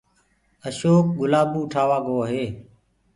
اشوڪ گلآبو اُٺآوآ گوو هي